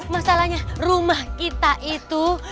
masalahnya rumah kita itu